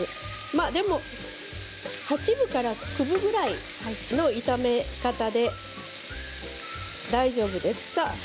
でも８分から９分ぐらいの炒め方で大丈夫です。